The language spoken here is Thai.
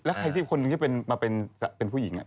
แล้วใครที่เป็นคนนึงมาเป็นผู้หญิง